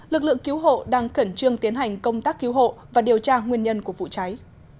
lực lượng cứu hộ đang khẩn trương tiến hành công tác cứu hộ và điều tra nguyên nhân của vụ cháy